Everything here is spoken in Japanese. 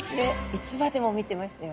いつまでも見てましたよ。